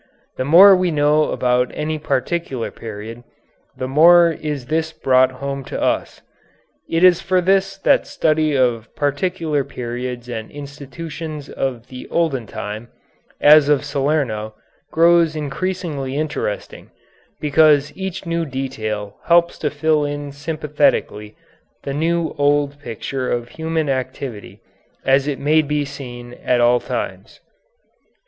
The more we know about any particular period, the more is this brought home to us. It is for this that study of particular periods and institutions of the olden time, as of Salerno, grows increasingly interesting, because each new detail helps to fill in sympathetically the new old picture of human activity as it may be seen at all times.